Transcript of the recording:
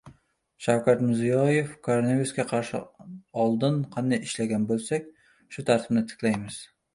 Shavkat Mirziyoev: “Koronavirusga qarshi oldin qanday ishlagan bo‘lsak, shu tartibni tiklaymiz”